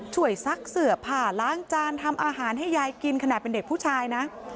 ซักเสื้อผ้าล้างจานทำอาหารให้ยายกินขนาดเป็นเด็กผู้ชายนะ